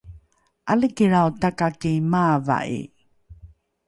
’alikilrao takaki maava’i